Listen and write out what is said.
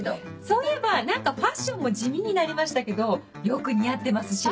そういえば何かファッションも地味になりましたけどよく似合ってますし。